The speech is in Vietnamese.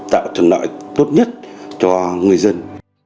tạo trần nợi tốt nhất cho người dân